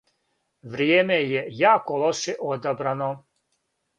Вријеме је јако лоше одабрано.